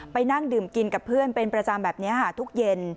นั่งดื่มกินกับเพื่อนเป็นประจำแบบนี้ค่ะทุกเย็น